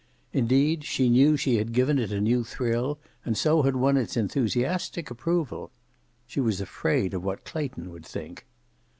Indeed, she knew that she had given it a new thrill and so had won its enthusiastic approval. She was afraid of what Clayton would think.